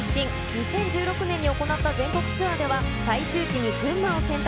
２０１６年に行った全国ツアーでは、最終地に群馬を選択。